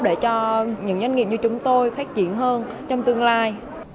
để cho những doanh nghiệp như chúng tôi phát triển hơn trong tương lai